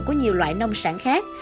của nhiều loại nông sản khác